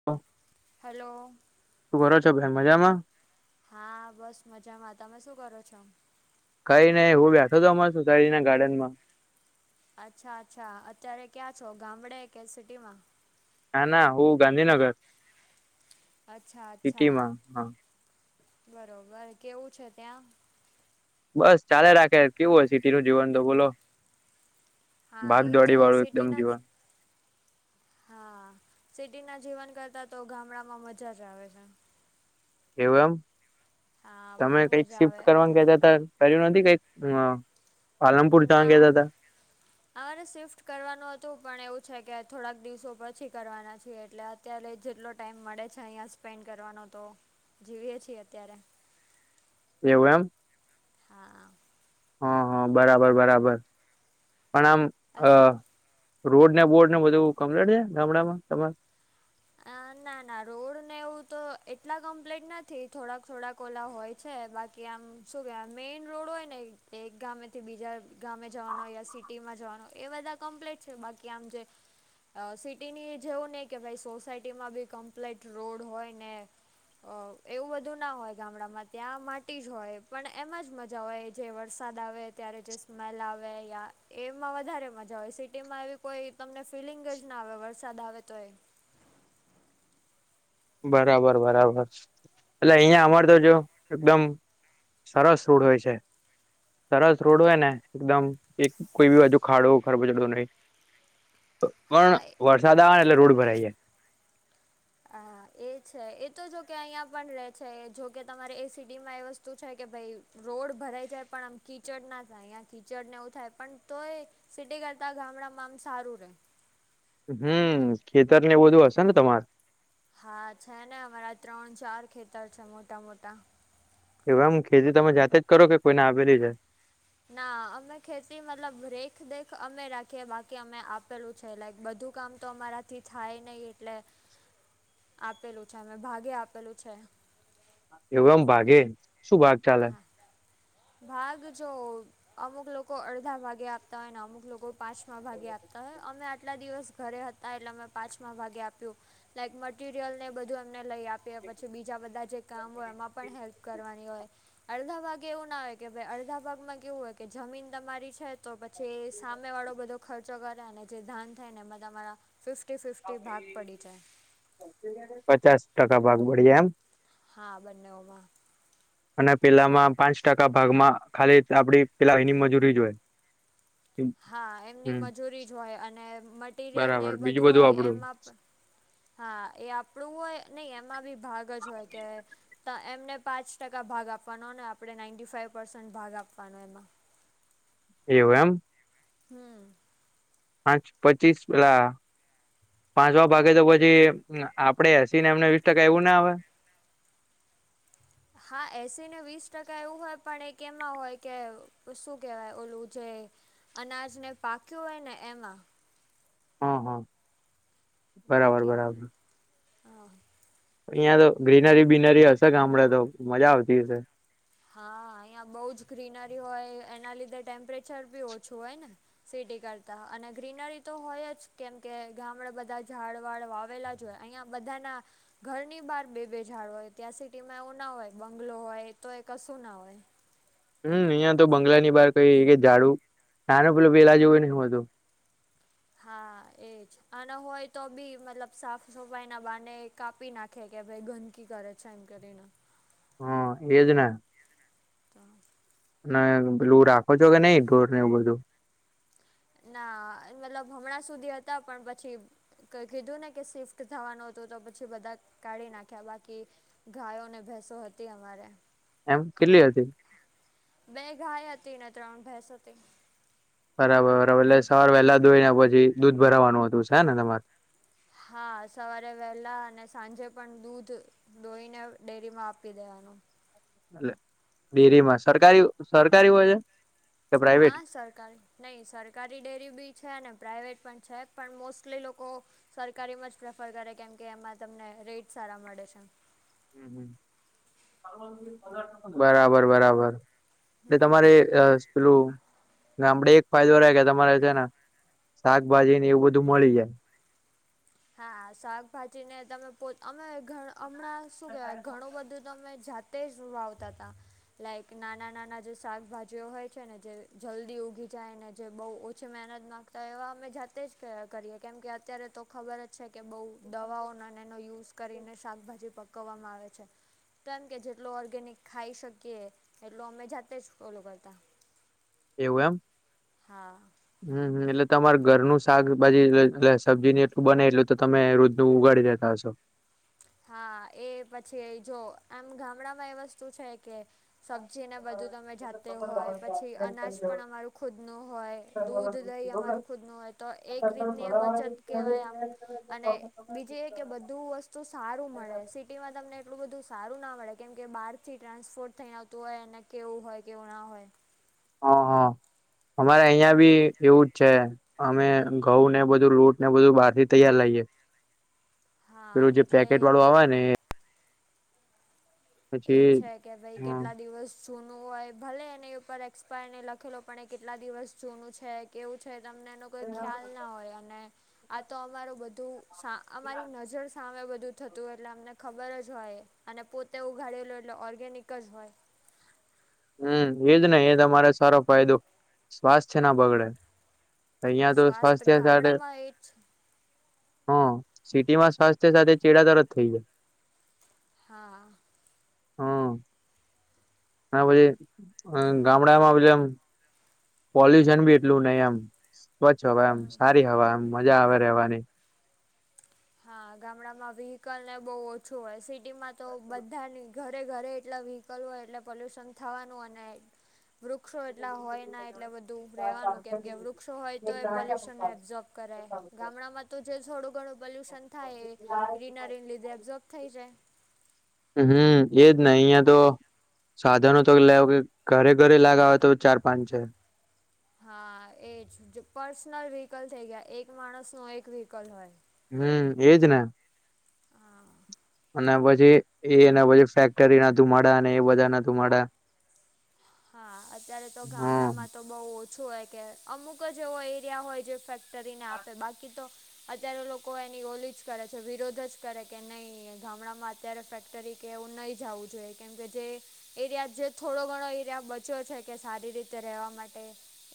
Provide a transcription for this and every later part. [inaudible] Hello તું ભરો છો ભાઈ મજા માં હા બસ મજામાં તમે શું કરો છો? કઈ નઈ હું બેઠો તો અમાર સોસાયડી ના ગાર્ડન માં. અચ્છા અચ્છા અત્યારે ક્યાં છો ગામડે કે સિટીમાં હા ના હું ગાંધીનગર અચ્છા અચ્છા સિટીમાં હા બરોબર કેવું છે ત્યાં બસ ચાલે રાખે કેવું હોય સિટી નું જીવન તો બોલો હા ભાગ એ દોડી છે વાળું એકદમ સિટીના જ જીવન હા સિટી ના જીવન કરતા તો ગામડામાં મજા જ આવે છે એવ એમ હા બહુ તમે કઈક મજા આવે શિફ્ટ કરવા કેતા હતા પેલું નથી કઈક પાલનપુર જવા ના ગેતા હતા અમારે શિફ્ટ કરવાનું હતું પણ એવું છે કે થોડાક દિવસો પછી કરવાના છીએ એટલે અત્યારે જેટલો ટાઈમ મળે છે અહીિયાયા સ્પેન્ડ કરવાનો તો જીવીએ છીએ અત્યારે એવું એમ હા હા હા બરાબર બરાબર પણ આમ અ રોડ ના બોર્ ને બધું કમ્લેટ છે ગામડામાં તમારે હ ના ના રોડ ને એવું તો એટલા કમ્પ્લીટ નથી થોડાક થોડાક ઓલા હોય છે બાકી આમ શું કેવાય મેન રોડ હોય ને એક ગામે થી બીજા ગામે જવાનો સટી વાનું એ બધા કમ્પ્ટ છે બાકી આમ જે સિટીની જેવું નહ કે. સસાયટીમાં બી કમ્પ્લીટ રોડ હોય ને અ એવું બધું ના હોય ગામડામાં ત્યાં માટી જ હોય પણ એમાં જ મજા હોય જે વરસાદ આવે ત્યારે જે સ્મેલ આવે યા એમાં વધારે મજા આવેય સિટીમાં એવી કોઈ તમને ફિલિંગ જ ના આવે વરસાદ આવે તો એ બરાબર બરાબર એટલે હમ અહિયાં અમારે તો જો એકદમ સરસ રૂડ હોય છે સરસ રોડ હોય ને એકદમ એક કોઈ બી બાજુ ખાડો ખરબ ચડતો ન પણ હા વરસાદ આવે ને એટલે રોડ ભરાઈ જાય હા એ છે એ તો જો કે અહીિયાં પણ રે છે જોકે તમારે એસીિડી માં એ વસ્તુ છે કે ભાઈ રોડ ભરાઈ જાય પણ આમ કીચડ ના થાય અહીં કીચડ ને એવું થાય પણ તોય સિટી કરતા ગામડામાં આમ સારું રે. હમ ખેતર ને એવ બધું હશે ને તમારે. હા છે ને અમારા ત્રણ ચાર ખેતર છે મોટા મોટા. એ આમ ખેતી તમે જાતે જ કરો કે કોઈને આવેલી છે. ના અમે ખેતી મતલબ રેખ દેખ અમે રાખીએ બાકી અમે આપેલું. છે લાઈક બધું કામ તો અમારાથી થાય નહીં એટલે. આપેલું છે અમે ભાગે આપેલું છે. એવું આમ ભાગે શું ભાગે. હા ભાગ જો. અમુક લોકો અડધા ભાગે આપતા હોય ને અમુક લોકો પાંચમા ભાગે આપતા હોય અમે આટલા દિવસ ઘરે હતા. હતા એટલે મેં પાંચમા ભાગે આપ્યું. લાઈક મટિરિયલને બધું એમને લઈ આપી પછી બીજા બધા જે કામ હોય એમાં પણ હેલ્પ કરવાની હોય. અડધા ભાગ એવું ના હોય કે ભાઈ અડધા ભાગમાં કેવું હોય કે જમીન તમારી છે. તો પછી સામે વાળો બધો ખર્ચો કરે અને જે ધાન થાય ને એમાં તમારા ફિફ્ટી ફિફ પચાસ ટકા ભાગ બળ્યા એમ. હા બંનેઓમાં. અને પેલામાં પાંચ ટકા ભાગમાં ખાલી આપડી પેલા એની મજૂરી જોય. હા એમની હમ મજૂરી જ હોય અને મટિરિયલને બરાબર એ બીજું બધું હોય આપડું એમાં. [inaudible] હા એ આપણું હોય નહી એમાં બી ભાગ જ હોય કે. તો એમને પાંચ ટકા ભાગ આપવાનો અનેને આપણે નાઇન્ટી ફાઇવ પર્સન્ટ ભાગ આપવાનો એમાં. એ એમ. હમ. પાંચ પચીસ પલા. પાંચવા ભાગે તો પછી આપડે હસી ને એમને વીસ ટકા એવું ના આવે. હા એસી ને વીસ ટકા એવું હોય પણ એ કેમાં હોય કે શું કેહેવાય ઓલું જે. અનાજને પાક્યો હોય ને એમાં. હા હા. બરાબર બાકી હા. અહીિયાં તો ગ્રીનરી બીનરી હશે ગામડે તો મજા આવતી હશે. હા અહિયાં બઉ જ ગ્રીનરી હોય એના લીધે ટેમ્પરેચર બી ઓછું હોય ને. સિટી કરતા અને ગ્રીનરી તો હોય જ કેમ કે ગામડાે બધા ઝાડ વાળ વાવેલા. જો અહીંયા બધાના ઘરની બહાર બે બેઝાડ હોય ત્યાં સિટીમાં એવું ના હોય બંગલો હોય. તો એ કશું ના હોય. હમ અહિયાં તો બંગલા ની બાર કઈ કે ઝાડુ નાનો પેલો પેલા જેવ નહ હ હતું. હા એજ. અને હોય તો બી મતલબ સાફ સફાઈ ના બાને કાપી નાખે કે ભાઈ ગંદકી કરે છે. સાયંકલણ હમ એજ ને. તો. અને પેલું રાખો છો કે નહી ઢોર ને એવું બધું. ના મતલબ હમણાં સુધી હતા પણ પછી. કીધું ને કે શિફ્ટ થવાનું હતું તો પછી બધા કાઢી નાખ્યા બાકી. ગાયો ને ભસો હતી અમારે. એમ કેટલી હતી. બે ગાય હતી ને ત્રણ ભેસ હતી. બરાબરરાબર એટલે સવાર વહેલા દોઈ ને પછી દૂધ ભરાવાનું હતું છે હે ને તમારે. હા સવારે વહેલા અને સાંજે પણ દૂધ. દોઈને ડેરીમાં આપી દેવાનું. એ ડેરી માં સરકારી સરકારી હોય છે. કે પ્રાઈવેટ હા સરકારી. નહીં સરકારી ડેરી બી છે અને પ્રાઇવેટ પણ છે પણ મોસ્ટલી લોકો. સરકાર એમાં જ પ્રેફર કરે કેમ કે એમાં તમને રેટ સારા મળે છે. હમ હ બરાબર બરાબર. એટલે તમારે હમ પેલું. આપડે એક ફાયદો રહે કે તમારે છે ને શાકભાજી ને એવું બધું મળી જાય. હા શાકભાજી ને તમે પો અમે હમણાં શું કેવા. ઘણું બધું તમે જાતે જ વાવતા હતા. લઇક નાના નાના જે શાકભાજીઓ હોય છે ને જે જલ્દી ઉગી જાય ને જે બહ. મહેનત માંગતા એવા અમે જાતે જ કરીએ કેમ કે અત્યારે તો. ખબર જ છે કે બઉ દવાઓ અને અને એનો યુઝ કરીને શાકભાજી પકવવામાં આવે છે. કારમ કે જેટલો ઓર્ગેનિક ખાઈ શકીએ એટલો અમે જાતે જ ફોલો કરતા. એવું હા એમ હમ એટલે તમાર ઘરનું શાકભાજીલે સબ્જી એટલ બને એટલે તો તમે રુધ નું ઉગાડી દેતા હશો. હા એ પછી જો આમ ગામડામાં એ વસ્તુ છે કે. સબ્જી ને બધું તમે જાતે હોય પછી અનાજ પણ અમારું ખુદ નું હોય દૂધ લઈ અમારું. ખુદ ન હોય તો એક રીતની એ બચત કહેવાય આમ અને બીજી એ કે બધું વસ્તુ. ત સારું મળે શ. સિટીમાં તમને એટલું બધું સારું ના મળે કેમ કે બહારથી ટ્રાન્સપોર્ટ થઈ આવતું હોય અને કેવું હોય કેવું ના હોય. હ હા અમારે અહિયાં બી એવુંજ છે. અમે ઘઉં ને બધું લૂટ ને બધું બાર થી તૈયાર લઈએ. હા પેલું જે એટલે પેકેટ વાળું આવે ને. એ પછી છે કે ભાઈ કેટલા દિવસ. જૂનું હોય ભલે એની ઉપર એક્સપાયરને લખેલો પણ એ કેટલા દિવસ જૂનું છે કેવું છે તમને એનું કોઈ ખ્યાલ ના હોય અને આ તો અમારું બધું હ અમારી નજર સામે બધું થતું હો એટલે અમને ખબર જ હોય એ અને પોતે ઉઘાડેલું એટલે ઓર્ગેનિક જ હોય હમ એજ ને એ તમારે સારો ફાયદો સ્વાસ્થ્ય ના હમ બગડે અહિયાં તો સ્વાસ્થ સ્વાસ્થ્ય સાથે ગામડામાં એ જ હા સિટીમાં સ્વાસ્થ્ય સાથે ચેડા તરજ થઈ જાય હા હા ના પછી ગામડામાં પ એ પોલ્યુશન બી એટલું નહ એમ પછી હવે એમ હમ સારી હવે એમ મજા આવે રવાની હા ગામડામાં વ્હકલ ને બહુ ઓછું હોય સિટીમાં તો બધાની ઘરે ઘરે એટલા વ કરું હોય એટલે પોલ્યુશન થવાનું અને [inaudible] વૃક્ષો એટલા હોય ના એટલે બધું રહેવાનું કેમ કે વૃક્ષો હોય તો એ પોલ્યુશનને એબ્ઝોર્બ કરે ગામડામાં તો જે થોડું ઘણું પોલ્યુશન થાય એ ગ્રીનરીને લીધે એબ્ઝોર્બ થઈ જાય હમ એજ ન અહિયાં તો સાધનો તો લેવ ઘરે ઘરે લાગાવ તો ચાર પાંચ છે હા એજ પર્સનલ વ્હકલ થઈ ગયા એક માણસ નો એક વ્હીકલ હોય હમ એજ ને હા અને પછી એને પછી ફેક્ટરી ના મળ એ બધા ના મળ [inaudible] હા અત્યારે તો ગામડામાં તો બહુ ઓછું હોય કે અમુક જ એવો એરિયા હોય જે ફેક કરીને આપે બાકી તો અત્યારે લોકો એની ઓલી જ કરે છે વિરોધ જ કરે કે નહી ગામડામાં અત્યારે ફેક્ટરી કે એવું નહીં જવું જોઈએ કેમ કે જે એરિયા જે થોડો ઘણો ત્યાં બચ્યો છે કે સારી રીતે રહેવા માટે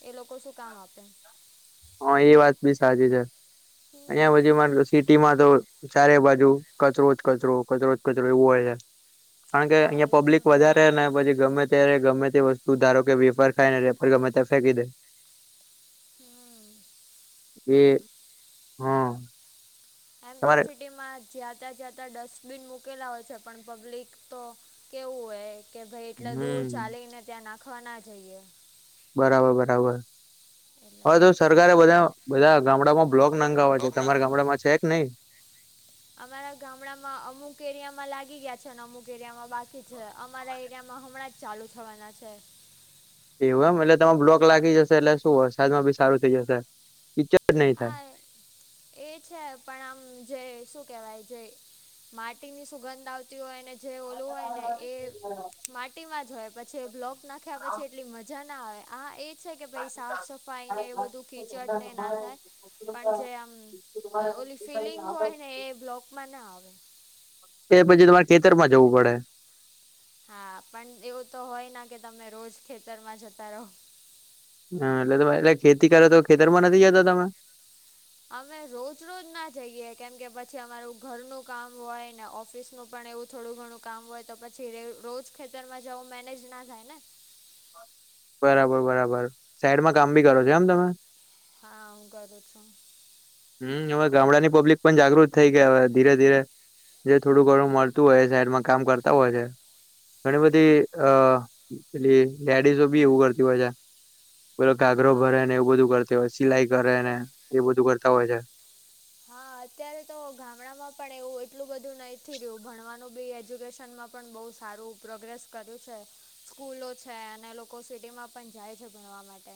એ લોકો શું કામ આપે હા એ વાત બી સાચી છે હમ અહિયાં હછુ મારે સિટીમાં તો ચારે બાજુ કચરો જ કચરો કચરો જ કચરો એવો હોય છે કારણ કે હા અહિયાં એ તો પબ્લિક વધારે રહેવાનું ને પછી ગમે અત્યારે ગમે તે વસ્તુ ધારો કે વેપર ખાય ને રેપર ગમે ત ફેંકી દે હમ એ હા એમ તો તમારે સિટીમાં જાતાં જ્યાતાં ડસ્ટબિન મૂકેલા હોય છે પણ પબ્લિક તો કેવું હોય કે ભાઈ એટલે દૂર હમ ચાલીને ત્યાં નાખવા ના જઈએ બરાબર બરાબર એટલે હવે તો સરકારે બધા બધા ગામડામાં બ્લોક નાંગાવવા છે તમારા ગામડામાં છે કે નઈ અમારા ગામડામાં અમુક એરિયામાં લાગી ગયા છે ને અમુક એરિયામાં બાકી છે અમારા એરિયામાં હમણાં ચાલુ થવાના છે એવું એમ એટલે તમે બ્લોક લાગી જશે એટલે શું વરસાદમાં બી સારું થઈ જશે પિક્ચર જ નહીં થાય. હાય એ છે પણ આમ જે શું કેવાય જે માટીની સુગંધ આવતી હોયને જે ઓલું હોય ને એ માટીમાં જ હોય પછી એ બ્લોક નાખ્યા પછી એટલી મજા ના આવે આ એ છે કે ભાઈ સાફ સફાઈ ને એ બધું કીચડ ને ના થાય પણ જે આમ ઓલી ફિલિંગ હોય ને એ બ્લોકમાં ના આવે એ પછી તમારે ખેતર માં જવું પડે હા પણ એવું તો હોય કે તમે રોજ ખેતરમાં જતા રહો હા એટલે એટલે ખેતી કરો તો ખેતરમાં નથી જતો તમે અમે રોજ રોજ ના જઈએ કેમ કે પછી અમારું ઘરનું કામ હોય ને ઓફિસ નું પણ એવું થોડું ઘણું કામ હોય તો પછી રોજ ખેતરમાં જવું મેનેજ ના થાય ને બરાબર બરાબર સાઈડમાં કામ બી કરો છો એમ તમે હા હું કરું છું હમ હવે ગામડા ની પબ્લિક પણ જાગૃત થઈ ગયા હવે ધીરે ધીરે જે થોડું ઘણું મળતું હોય સાઈડમાં કામ કરતા હોય છે ઘણી બધી અ પેલી લેડીસ બી એવું કરતી હોય છે પેલો ઘાગરો હા ભરે ને એવું બધું કરતી હોય સિલાઈ કરે ને એ બધું કરતા હોય છે હા અત્યારે તો ગામડામાં પણ એવું એટલું બધું નહી રહ્યું ભણવાનું બી એજ્યુકેશન માં પણ બહુ સારું પ્રોગ્રેસ કર્યું છે સ્કૂલો છે અને લોકો સિટીમાં પણ જાય છે ભણવા માટે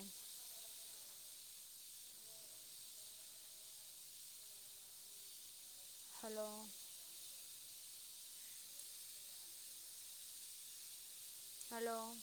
હલો હલો